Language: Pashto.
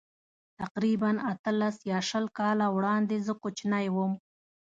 تقریباً اتلس یا شل کاله وړاندې زه کوچنی وم.